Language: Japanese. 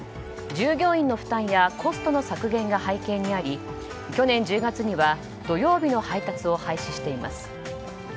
従業員の負担やコストの削減が背景にあり去年１０月には土曜日の配達を廃止しています。